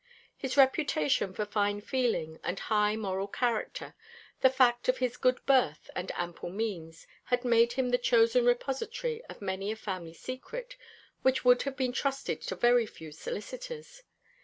His reputation for fine feeling and high moral character, the fact of his good birth and ample means, had made him the chosen repository of many a family secret which would have been trusted to very few solicitors.